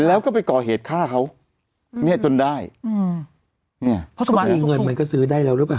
แล้วก็ไปก่อเหตุฆ่าเขาเนี่ยจนได้อืมเนี่ยเพราะกรณีเงินมันก็ซื้อได้แล้วหรือเปล่า